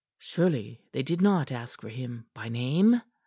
"Surely they did not ask for him by name?"